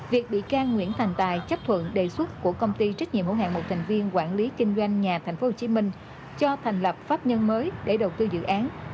việc bị can nguyễn thành tài chấp thuận đề xuất của công ty trách nhiệm hữu hạng một thành viên quản lý kinh doanh nhà tp hcm cho thành lập pháp nhân mới để đầu tư dự án